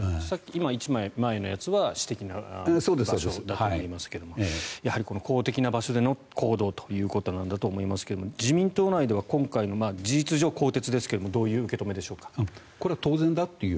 １枚前のやつは私的な場所だと思いますがやはり、公的な場所での行動ということなんだろうと思いますが自民党内では今回の事実上更迭ですがこれは当然だという。